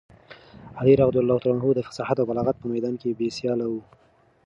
علي رض د فصاحت او بلاغت په میدان کې بې سیاله و.